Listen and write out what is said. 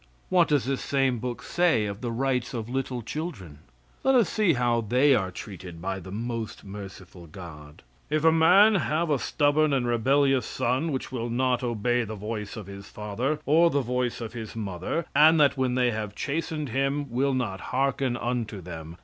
What does this same book say of the rights of little children? Let us see how they are treated by the "most merciful God." "If a man have a stubborn and rebellious son, which will not obey the voice of his father, or the voice of his mother, and that when they have chastened him, will not hearken unto them.